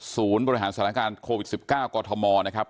บริหารสถานการณ์โควิด๑๙กรทมนะครับ